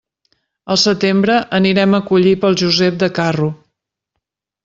Al setembre anirem a collir pel Josep de Carro.